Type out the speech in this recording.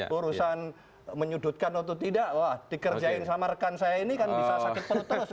jadi menurut saya kalau ada yang mengurusan menyudutkan atau tidak dikerjain sama rekan saya ini bisa sakit penuh terus